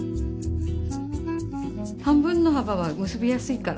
半分の幅は結びやすいから。